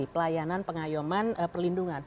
pelayanan pengayoman perlindungan